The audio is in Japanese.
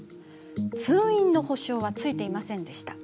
通院の保証はついていませんでした。